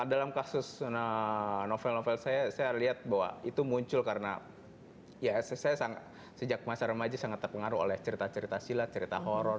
dalam kasus novel novel saya saya lihat bahwa itu muncul karena ya saya sejak masa remaja sangat terpengaruh oleh cerita cerita silat cerita horror